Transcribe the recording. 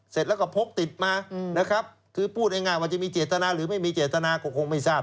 เสร็จแล้วก็พกติดมานะครับคือพูดง่ายว่าจะมีเจตนาหรือไม่มีเจตนาก็คงไม่ทราบ